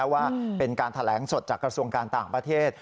ว่าเป็นการแถลงสดจากกระทรวงการต่างประเทศ